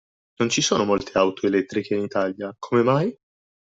Non ci sono molte auto elettriche in Italia, come mai?